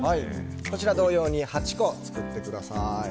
こちら同様に８個作ってください。